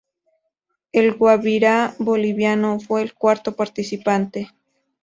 El Guabirá boliviano fue el cuarto participante.